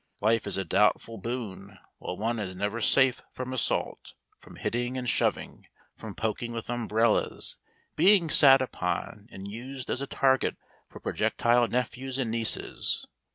Life is a doubtful boon while one is never safe from assault, from hitting and shoving, from poking with umbrellas, being sat upon, and used as a target for projectile nephews and nieces.